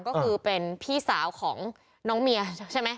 ก็คือเป็นพี่สาวของน้องเมียใช่ไหม